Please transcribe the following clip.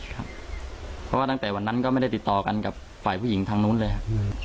ครับเพราะว่าตั้งแต่วันนั้นก็ไม่ได้ติดต่อกันกับฝ่ายผู้หญิงทางนู้นเลยครับ